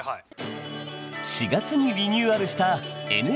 ４月にリニューアルした「ＮＨＫ俳句」。